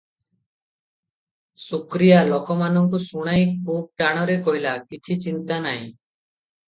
ଶୁକ୍ରିଆ ଲୋକମାନଙ୍କୁ ଶୁଣାଇ ଖୁବ୍ ଟାଣରେ କହିଲା, "କିଛି ଚିନ୍ତା ନାହିଁ ।